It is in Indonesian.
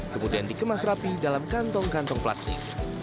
kemudian dikemas rapi dalam kantong kantong plastik